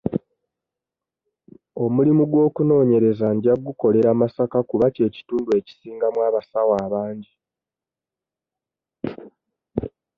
Omulimu gw'okunoonyereza nja gukolera Masaka kuba kye kitundu ekisingamu abasawo abangi.